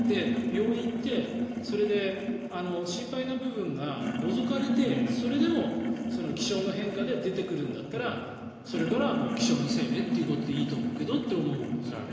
病院に行ってそれで心配な部分が除かれてそれでも気象の変化で出てくるんだったらそれからはもう気象のせいということでいいと思うけどと。